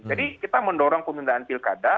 jadi kita mendorong penundaan pilkada